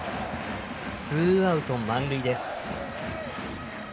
ツーアウト、満塁です。